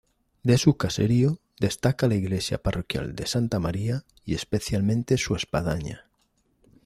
De su caserío, destaca la iglesia parroquial de Santa María y especialmente su espadaña.